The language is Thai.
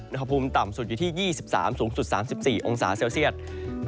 วุฒิภูมิต่ำสุดอยู่ที่๒๓องศาสูงสุด๓๔องศาเซียตครับ